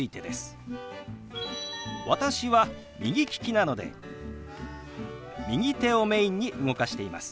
私は右利きなので右手をメインに動かしています。